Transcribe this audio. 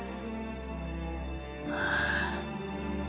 ああ。